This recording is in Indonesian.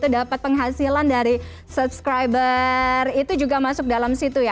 dapat penghasilan dari subscriber itu juga masuk dalam situ ya